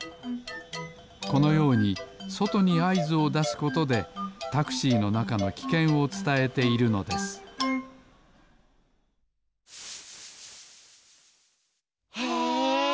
このようにそとにあいずをだすことでタクシーのなかのきけんをつたえているのですへえ！